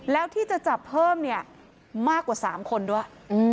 แล้วที่จะจับเพิ่มเนี่ยมากกว่า๓คนด้วย